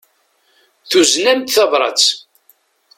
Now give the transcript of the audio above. Tuzen-am-d tabrat.